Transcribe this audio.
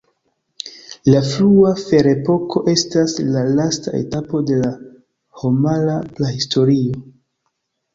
La frua ferepoko estas la lasta etapo de la homara prahistorio.